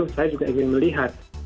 saya juga ingin melihat